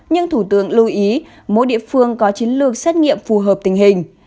nhưng thủ tướng lưu ý mỗi địa phương có chiến lược xét nghiệm phù hợp tình hình